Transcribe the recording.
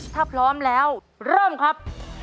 ถ้าพร้อมแล้วเริ่มครับ